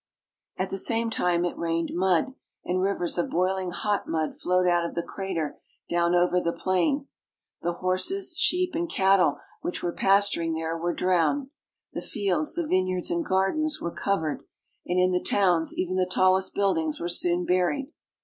At the same time it rained mud, and rivers of boiling hot mud flowed out of the crater down over the plain. The horses, sheep, and cattle which were pasturing there were drowned, the fields, the vineyards, and gardens were Vesuvius in Eruption. covered, and in the towns even the tallest buildings were soon buried.